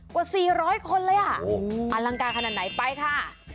กว่า๔๐๐คนเลยอ่ะอลังการขนาดไหนไปค่ะ